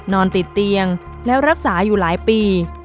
นอนติดเตียงแล้วรักษาอยู่หลายปี